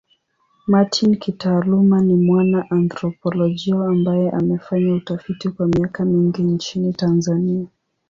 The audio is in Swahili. Martin kitaaluma ni mwana anthropolojia ambaye amefanya utafiti kwa miaka mingi nchini Tanzania.